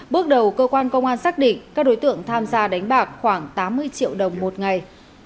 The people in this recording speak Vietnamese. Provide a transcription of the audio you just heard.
bước đầu cơ quan công an xác định các đối tượng tham gia đánh bạc khoảng tám mươi triệu đồng một ngày